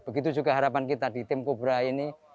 begitu juga harapan kita di tim kubra ini